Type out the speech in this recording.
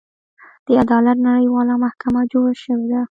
د عدالت نړیواله محکمه جوړه شوې ده.